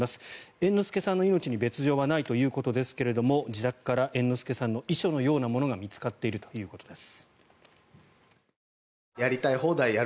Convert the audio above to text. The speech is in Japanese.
猿之助さんの命に別条はないということですが自宅から猿之助さんの遺書のようなものが見つかっているということです。